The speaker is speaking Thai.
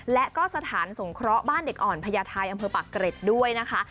และก็สถานสงเคราะห์บ้านเด็กอ่อนพญาไทยอำเภอปากเกร็ดด้วยนะคะ